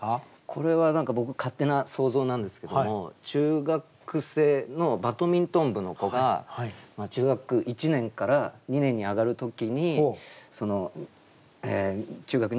これは何か僕勝手な想像なんですけども中学生のバドミントン部の子が中学１年から２年に上がる時にその中学２年始まりました。